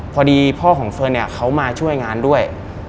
พอดีพ่อของเฟิร์นเนี่ยเขามาช่วยงานด้วย